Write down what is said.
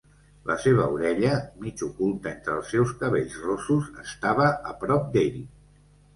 La seva orella, mig oculta entre els seus cabells rossos, estava a prop d'ell.